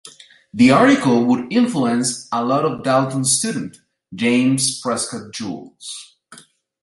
The article would influence a lot Dalton’s student, James Prescott Joule.